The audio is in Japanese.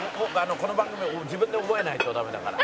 この番組は自分で覚えないとダメだから」